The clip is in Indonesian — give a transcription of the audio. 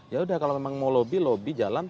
ya udah kalau memang mau lobby lobby jalan